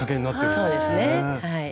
そうですねはい。